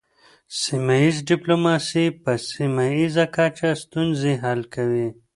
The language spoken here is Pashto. سیمه ایز ډیپلوماسي په سیمه ایزه کچه ستونزې حل کوي